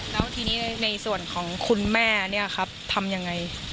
แล้วทีนี้ในส่วนของคุณแม่เนี่ยครับทำยังไง